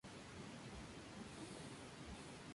El plano urbano, con sus calles sinuosas, todavía se reconoce.